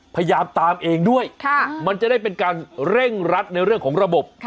พยายามตามเองด้วยมันจะได้เป็นการเร่งรัดในเรื่องของระบบ